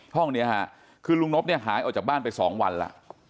ห้องนี้ค่ะคือลุงนบเนี่ยหายออกจากบ้านไป๒วันแล้ว